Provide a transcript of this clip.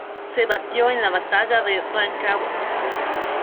Se batió en la Batalla de Rancagua.